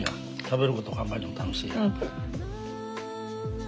食べること考えるの楽しいやん。